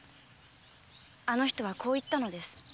あの人はこう言ったのです。